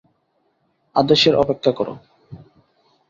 আদেশের অপেক্ষা করো!